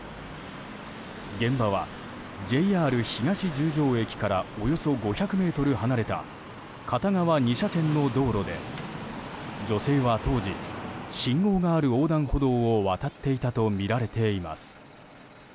現場はＪＲ東十条駅からおよそ５００ｍ離れた片側２車線の道路で女性は当時信号がある横断歩道を渡っていたとみられています。